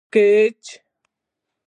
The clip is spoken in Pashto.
سکیچ